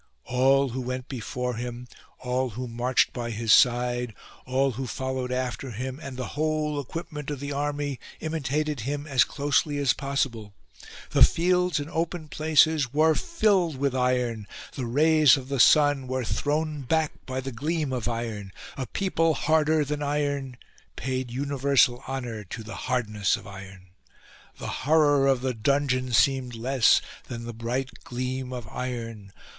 All who went before him, all who marched by his side, all who followed after him and the whole equipment of the army imitated him as closely as possible. The fields and open places were filled with iron ; the rays of the sun were thrown back by the gleam of iron ; a people harder than iron paid universal honour to the hardness of iron. The horror of the dungeon seemed less than the bright gleam of iron.